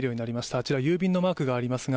あちら郵便のマークがありますが